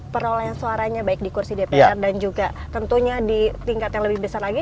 perolehan suaranya baik di kursi dpr dan juga tentunya di tingkat yang lebih besar lagi